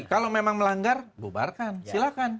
kalau memang melanggar bubarkan silahkan